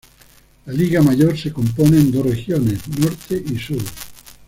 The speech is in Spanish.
La liga mayor se compone en dos regiones, norte y sur.